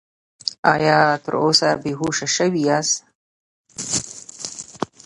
ایا تر اوسه بې هوښه شوي یاست؟